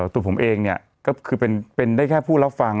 ตัวผมเองเนี่ยก็คือเป็นได้แค่ผู้รับฟัง